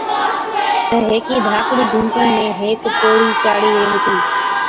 تہ هيڪِي ڌاڪڙِي جھُونپڙِي ۾ هيڪ پوڙهِي چاڙَي ريهٿِي۔